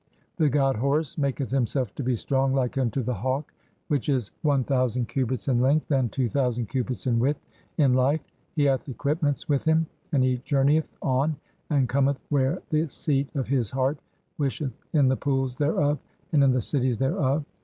The god Horus (15) maketh himself to be strong like "unto the Hawk which is one thousand cubits in length and "two thousand [cubits in width] in life ; he hath equipments "with him, and he journeyeth on and cometh where the seat oi "his (16) heart wisheth in the Pools thereof and in the cities "thereof.